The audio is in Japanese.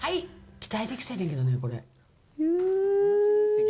期待できそうやけどね、これ。